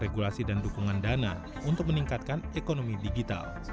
regulasi dan dukungan dana untuk meningkatkan ekonomi digital